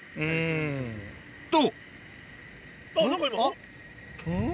と！